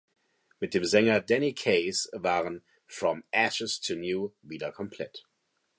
Mit dem Sänger Danny Case waren From Ashes to New wieder komplett.